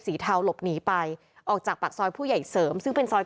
เทาหลบหนีไปออกจากปากซอยผู้ใหญ่เสริมซึ่งเป็นซอย